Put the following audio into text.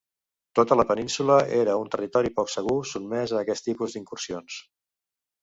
Tota la península era un territori poc segur sotmès a aquest tipus d'incursions.